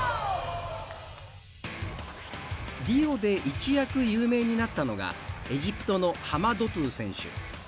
リオで一躍有名になったのがエジプトのハマドトゥ選手。